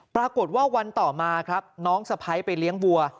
วันต่อมาครับน้องสะพ้ายไปเลี้ยงวัว